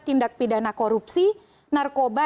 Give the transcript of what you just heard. tindak pidana korupsi narkoba